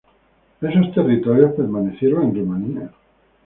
Esos territorios permanecieron en Rumanía.